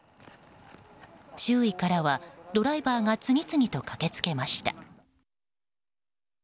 周囲からはドライバーが次々と駆けつけました。